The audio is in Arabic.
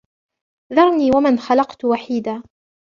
ذرني ومن خلقت وحيدا